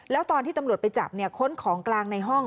แล้วตอนที่ตำรวจไปจับค้นของกลางในห้อง